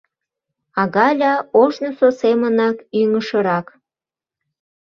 А Галя ожнысо семынак ӱҥышырак.